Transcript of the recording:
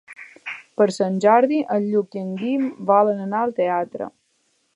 Per Sant Jordi en Lluc i en Guim volen anar al teatre.